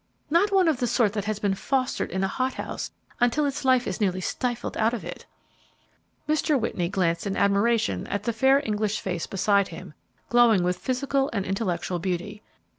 Not one of the sort that has been fostered in a hot house until its life is nearly stifled out of it." Mr. Whitney glanced in admiration at the fair English face beside him glowing with physical and intellectual beauty.